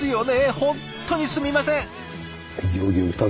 本当にすみません。